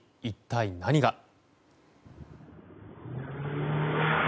一体、何が。